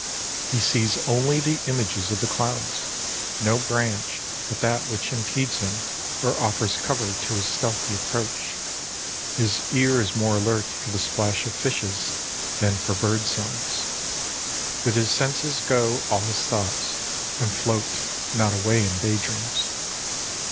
He sees only the images of the clouds, no branch but that which impedes him or offers cover to his stealthy approach. His ear is more alert for the splash of fishes than for bird songs. With his senses go all his thoughts, and float not away in day dreams.